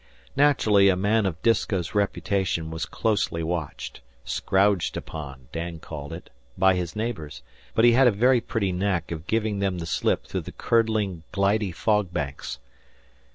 Naturally, a man of Disko's reputation was closely watched "scrowged upon," Dan called it by his neighbours, but he had a very pretty knack of giving them the slip through the curdling, glidy fog banks.